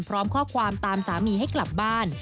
พร้อมข้อความตามสามีให้กลับบ้าน